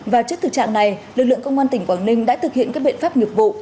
và trước thực trạng này lực lượng công an tỉnh quảng ninh đã thực hiện các biện pháp nghiệp vụ